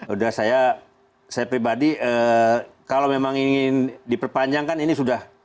udah saya pribadi kalau memang ingin diperpanjangkan ini sudah